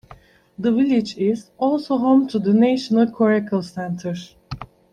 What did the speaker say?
The village is also home to the National Coracle Centre.